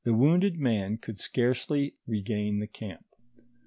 189 wounded man could scarcely regain the camp.